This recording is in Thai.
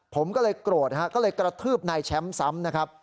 ผมก็เลยกรวดก็เลยกระทืบนายแชมป์ซ้ำ